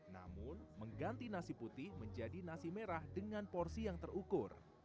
namun mengganti nasi putih menjadi nasi merah dengan porsi yang terukur